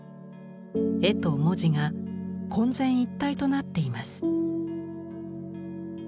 絵と文字が混然一体となっています。